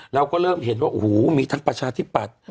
เราก็เริ่มเห็นว่าโอ้โหมีทั้งประชาธิปัตย์